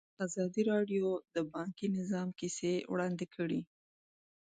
ازادي راډیو د بانکي نظام کیسې وړاندې کړي.